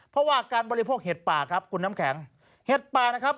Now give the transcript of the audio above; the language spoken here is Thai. เพราะว่าการบริโภคเห็ดป่าครับคุณน้ำแข็งเห็ดป่านะครับ